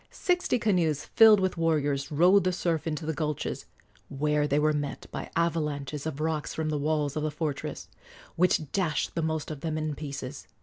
Sixty canoes filled with warriors rode the surf into the gulches, where they were met by avalanches of rocks from the walls of the fortress, which dashed the most of them in pieces.